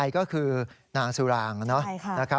ก็คือนางสุราง